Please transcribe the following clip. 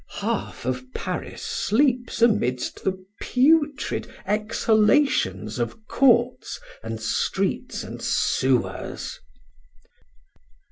Half of Paris sleeps amidst the putrid exhalations of courts and streets and sewers.